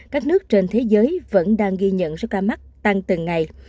các nước trên thế giới vẫn đang ghi nhận số ca mắc tăng từng ngày